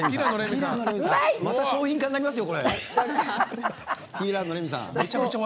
また商品化になりますよ。